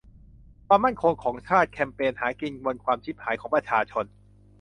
"ความมั่นคงของชาติ" แคมเปญหากินบนความฉิบหายของประชาชน